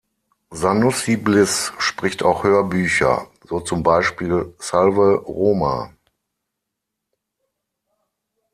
Sanoussi-Bliss spricht auch Hörbücher, so zum Beispiel "Salve Roma!